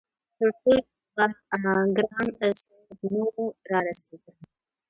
تر څو چې به ګران صاحب نه وو رارسيدلی-